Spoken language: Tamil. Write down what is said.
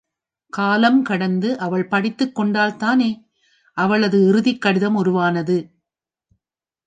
காலங்கடந்து அவள் படித்துக் கொண்டதால்தானே, அவளது இறுதிக் கடிதம் உருவானது?